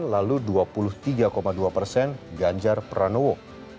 lalu dua puluh tiga dua persen ganjar pranowo